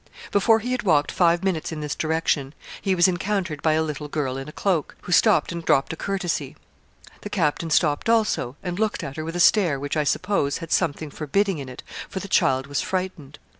Before he had walked five minutes in this direction, he was encountered by a little girl in a cloak, who stopped and dropped a courtesy. The captain stopped also, and looked at her with a stare which, I suppose, had something forbidding in it, for the child was frightened.